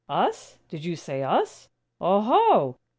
"Us? Did you say 'us'? Oho!